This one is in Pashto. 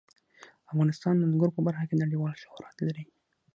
افغانستان د انګور په برخه کې نړیوال شهرت لري.